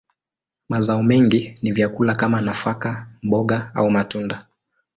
Mazao mengi ni vyakula kama nafaka, mboga, au matunda.